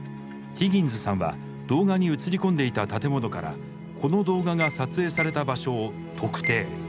ヒギンズさんは動画に映り込んでいた建物からこの動画が撮影された場所を特定。